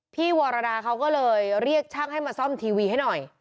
พี่วรดาเขาก็เลยเรียกช่างให้มาซ่อมทีวีให้หน่อย